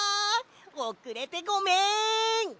おくれてごめん！